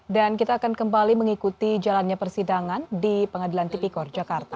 dan kita akan kembali mengikuti jalannya persidangan di pengadilan tipikor jakarta